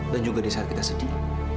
dan juga di saat kita sedih